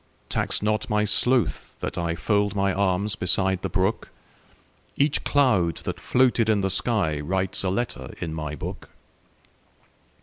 Tax not my sloth that IFold my arms beside the brook; Each cloud that floated in the skyWrites a letter in my book.